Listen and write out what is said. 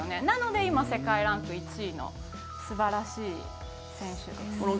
なので、今、世界ランク１位の素晴らしい選手です。